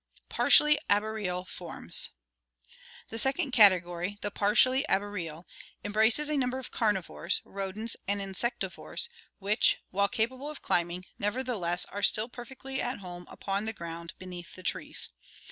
Partially Arboreal Forms. — The second category, the partially arboreal, embraces a number of carnivores, rodents, and insecti vores which, while capa ble of climbing, never theless are still perfectly at home upon the ground beneath the trees.